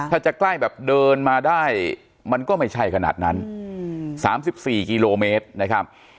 ถ้าจะใกล้แบบเดินมาได้มันก็ไม่ใช่ขนาดนั้น๓๔กิโลเมตรนะครับ